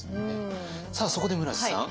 さあそこで村治さん。